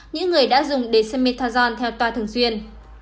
những người đã dùng dexamethasone theo toa thường xuyên